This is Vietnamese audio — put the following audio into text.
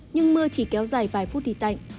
nhưng mưa chỉ kéo dài vài phút thì tạnh